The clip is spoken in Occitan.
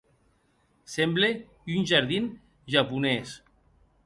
Semble un jardin japonés.